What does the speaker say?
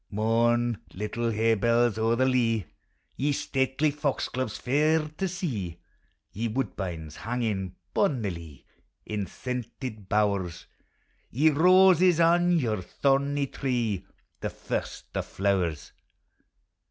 Mourn, little harebells o'er the lea, Ye stately foxgloves fair to see; Ye woodbines hanging bonnilie In scented bowers; Ye roses on your thorny tree, The lirsl o' flowers.